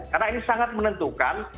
karena ini sangat menentukan